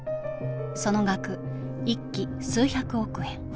その額１機数百億円。